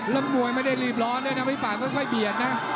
แล้วมวยไม่ได้รีบร้อนด้วยนะพี่ป่าค่อยเบียดนะ